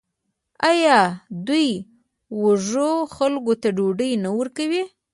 آیا دوی وږو خلکو ته ډوډۍ نه ورکوي؟